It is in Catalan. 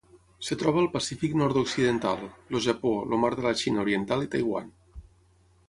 Es troba al Pacífic nord-occidental: el Japó, el mar de la Xina Oriental i Taiwan.